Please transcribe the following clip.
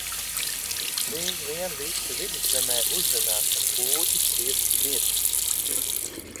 Drīz vien visi Viduszemē uzzinās, ka pūķis ir miris!